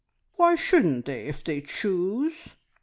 "Why shouldn't they, if they choose?"